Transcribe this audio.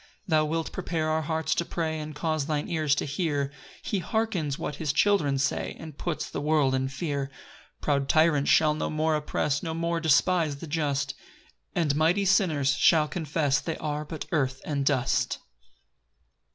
7 Thou wilt prepare our hearts to pray, And cause thine ear to hear; He hearkens what his children say, And puts the world in fear. 8 Proud tyrants shall no more oppress, No more despise the just; And mighty sinners shall confess They are but earth and dust.